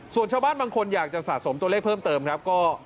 ส่วนชาวบ้านบางคนอยากจะสะสมตัวเลขเพิ่มเติมครับก็